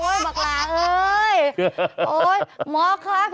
โอ๊ยหมอครับค่อยด้วยครับ